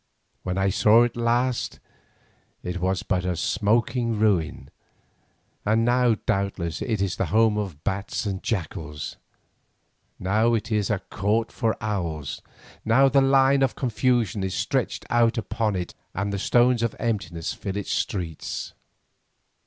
When I saw it last it was but a smoking ruin, and now doubtless it is the home of bats and jackals; now it is "a court for owls," now "the line of confusion is stretched out upon it and the stones of emptiness fill its streets."